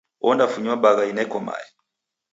Ondafunywa bagha ineko mae.